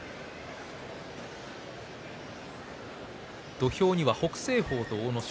土俵には北青鵬と阿武咲。